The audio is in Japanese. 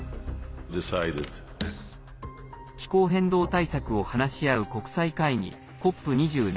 気候変動対策を話し合う国際会議＝ＣＯＰ２７。